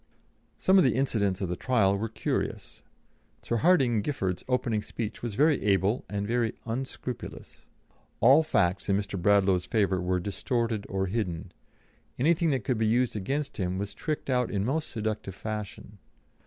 Some of the incidents of the trial were curious; Sir Hardinge Giffard's opening speech was very able and very unscrupulous. All facts in Mr. Bradlaugh's favour were distorted or hidden; anything that could be used against him was tricked out in most seductive fashion.